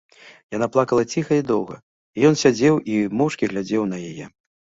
Яна плакала ціха і доўга, і ён сядзеў і моўчкі глядзеў на яе.